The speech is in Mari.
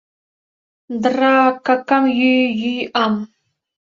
Дра... какам... йӱ... йӱ... ам!